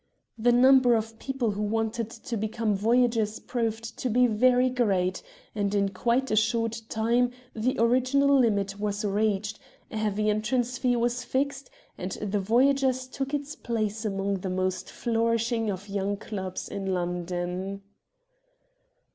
The number of people who wanted to become Voyagers proved to be very great, and in quite a short time the original hmit was reached, a heavy entrance fee was fixed, and the Voyagers took its place among the most flourishing of young clubs in London.